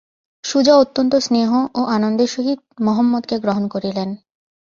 সুজা অত্যন্ত স্নেহ ও আনন্দের সহিত মহম্মদকে গ্রহণ করিলেন।